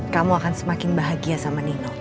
kamu akan semakin bahagia sama nino